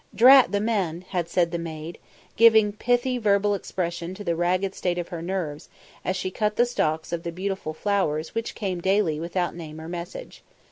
"Drat the men!" had said the maid, giving pithy verbal expression to the ragged state of her nerves as she cut the stalks of the beautiful flowers which came daily without name or message.